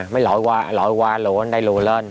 mới lội qua lụa lên